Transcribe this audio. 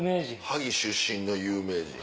萩出身の有名人。